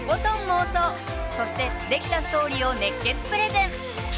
そしてできたストーリーを熱血プレゼン。